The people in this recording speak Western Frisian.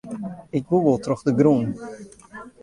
Ik woe wol troch de grûn.